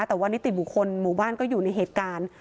แต่ว่านิติบุคคลหมู่บ้านก็อยู่ในเหตุการณ์